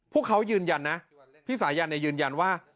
พวกเขายืนยันนะพี่สายันยืนยันว่า